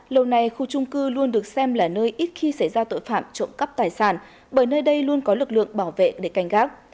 lâu nay khu trung cư luôn được xem là nơi ít khi xảy ra tội phạm trộm cắp tài sản bởi nơi đây luôn có lực lượng bảo vệ để canh gác